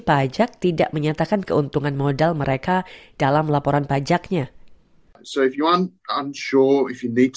sangat penting anda berhubung dengan kami di ato atau berbicara dengan agen pajak yang terhubung